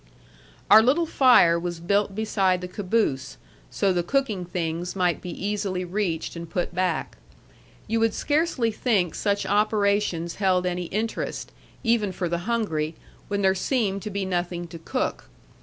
Our little fire was built beside the caboose, so the cooking things might be easily reached and put back. You would scarcely think such operations held any interest, even for the hungry, when there seemed to be nothing to cook.